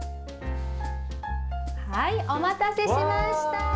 はい、お待たせしました。